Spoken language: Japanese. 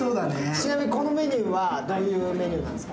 ちなみに、これはどういうメニューなんですか？